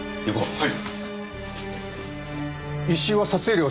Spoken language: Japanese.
はい。